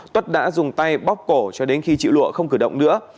tuất đã dùng tay bóp cổ cho đến khi chị lụa không cử động nữa